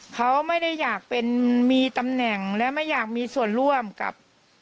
เขาไม่ได้อยากเป็นมีตำแหน่งและไม่อยากมีส่วนร่วมกับ